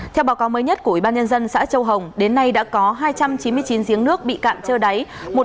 theo báo cáo mới nhất của ubnd xã châu hồng đến nay đã có hai trăm chín mươi chín giếng nước bị cạn trơ đáy